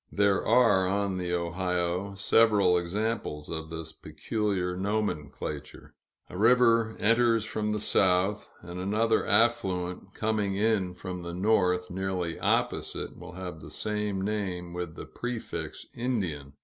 There are, on the Ohio, several examples of this peculiar nomenclature: a river enters from the south, and another affluent coming in from the north, nearly opposite, will have the same name with the prefix "Indian."